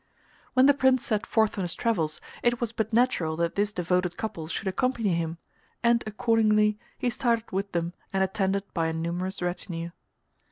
When the Prince set forth on his travels it was but natural that this devoted couple should accompany him, and accordingly he started with them and attended by a numerous retinue.